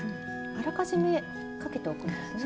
あらかじめかけておくんですね。